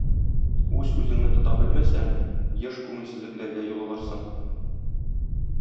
Үз-үзеңне тота белмәсәң еш күңелсезлекләргә юлыгырсың.